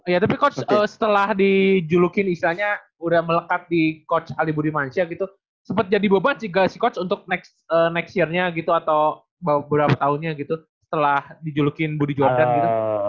ya tapi coach setelah dijulukin istilahnya udah melekat di coach alibudi mansyah gitu sempet jadi beban sih gak sih coach untuk next year nya gitu atau beberapa tahunnya gitu setelah dijulukin budi jordan gitu